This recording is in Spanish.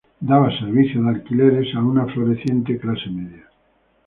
Daba servicio de alquileres a una floreciente clase media.